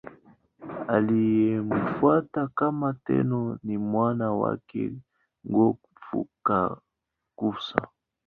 Aliyemfuata kama Tenno ni mwana wake Go-Fukakusa.